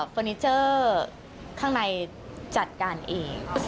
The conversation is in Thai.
นิเจอร์ข้างในจัดการเอง